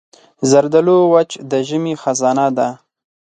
زردالو وچ د ژمي خزانه ده.